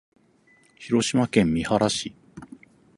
広島県三原市